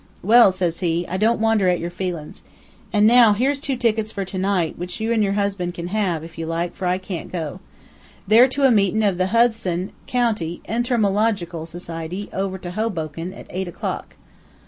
"'Well,' says he, 'I don't wonder at your feelin's. An' now, here's two tickets for to night, which you an' your husband can have, if you like, for I can't go. They're to a meetin' of the Hudson County Enter mo logical Society, over to Hoboken, at eight o'clock.'